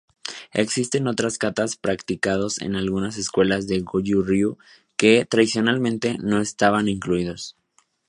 Existen otros katas practicados en algunas escuelas de Goyu-Ryu que, tradicionalmente, no estaban incluidos.